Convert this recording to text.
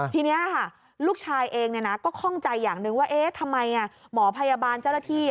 ทีนี้ค่ะลูกชายเองก็คล่องใจอย่างหนึ่งว่าทำไมหมอพยาบาลเจ้าหน้าที่